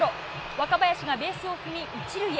若林がベースを踏み１塁へ。